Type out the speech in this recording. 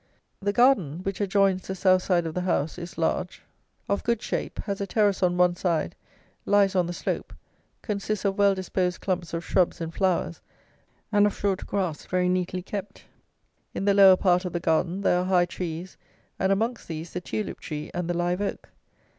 The garden, which adjoins the south side of the house, is large, of good shape, has a terrace on one side, lies on the slope, consists of well disposed clumps of shrubs and flowers, and of short grass very neatly kept. In the lower part of the garden there are high trees, and, amongst these, the tulip tree and the live oak.